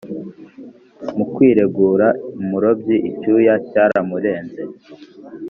Mu kwiregura, umurobyi icyuya cyaramurenze